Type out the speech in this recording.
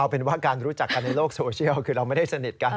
เป็นว่าการรู้จักกันในโลกโซเชียลคือเราไม่ได้สนิทกัน